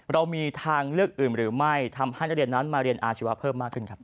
เรามีทางเลือกอื่นหรือไม่ทำให้นักเรียนนั้นมาเรียนอาชีวะเพิ่มมากขึ้นครับ